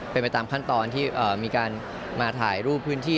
เป็นไปตามขั้นตอนที่มีการมาถ่ายรูปพื้นที่